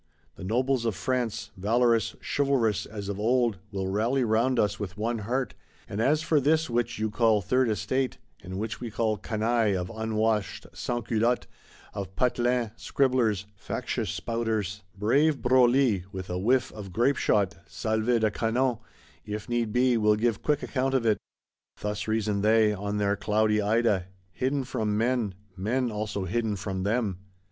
The Nobles of France, valorous, chivalrous as of old, will rally round us with one heart;—and as for this which you call Third Estate, and which we call canaille of unwashed Sansculottes, of Patelins, Scribblers, factious Spouters,—brave Broglie, "with a whiff of grapeshot (salve de canons)," if need be, will give quick account of it. Thus reason they: on their cloudy Ida; hidden from men,—men also hidden from them.